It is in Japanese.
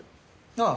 ああ。